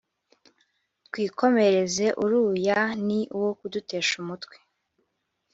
twikomereze uruya ni uwo kudutesha umutwe